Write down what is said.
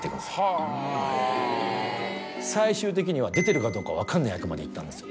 最終的には出てるかどうか分かんない役までいったんですよ。